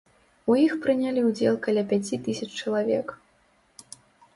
У іх прынялі ўдзел каля пяці тысяч чалавек.